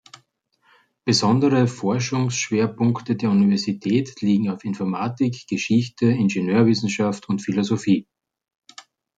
Besondere Forschungsschwerpunkte der Universität liegen auf Informatik, Geschichte, Ingenieurwissenschaft und Philosophie.